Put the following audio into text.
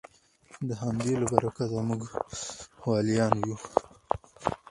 د همدې له برکته موږ ولیان یو